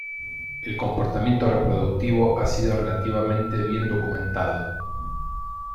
El comportamiento reproductivo ha sido relativamente bien documentado.